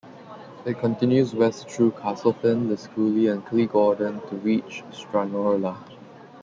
It continues west through Castlefin, Liscooley and Killygordon to reach Stranorlar.